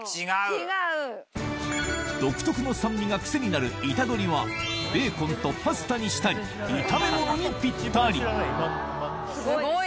独特の酸味が癖になるイタドリはベーコンとパスタにしたり炒め物にピッタリすごい。